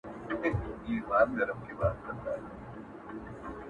چرگه مي ناجوړه کې، بانه مي ورته جوړه کې.